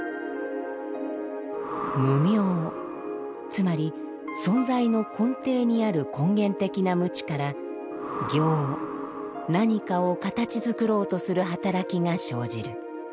「無明」つまり存在の根底にある根源的な無知から「行」何かを形づくろうとする働きが生じる。